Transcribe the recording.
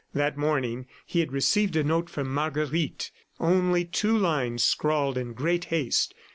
That morning he had received a note from Marguerite only two lines scrawled in great haste.